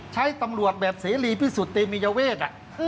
ใช้ตำรวจแบบเสรีพิสุทธิเตมียเวท